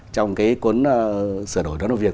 trong cái cuốn sửa đổi đơn ông việt